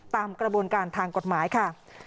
ตามกระบวนการทางกฎหมายค่ะ